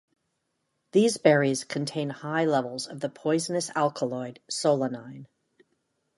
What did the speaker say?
These berries contain high levels of the poisonous alkaloid solanine.